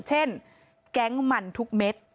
เช่นแก๊งมันทุกเม็ด